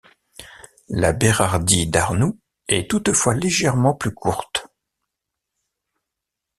La bérardie d'Arnoux est toutefois légèrement plus courte.